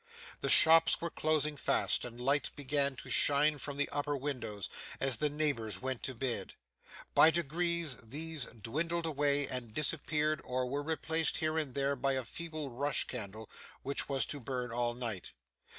The shops were closing fast, and lights began to shine from the upper windows, as the neighbours went to bed. By degrees, these dwindled away and disappeared or were replaced, here and there, by a feeble rush candle which was to burn all night.